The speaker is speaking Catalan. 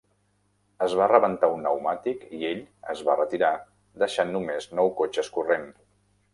Es va rebentar un neumàtic i ell es va retirar, deixant només nou cotxes corrent.